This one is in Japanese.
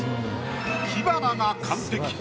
火花が完璧。